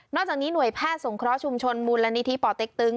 จากนี้หน่วยแพทย์สงเคราะห์ชุมชนมูลนิธิป่อเต็กตึง